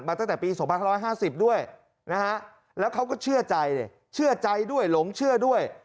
ตั้งแต่ปี๒๕๕๐ด้วยนะฮะแล้วเขาก็เชื่อใจเชื่อใจด้วยหลงเชื่อด้วย